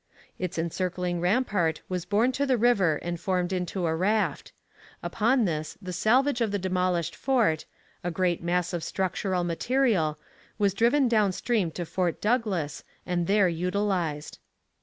Its encircling rampart was borne to the river and formed into a raft. Upon this the salvage of the demolished fort a great mass of structural material was driven down stream to Fort Douglas and there utilized.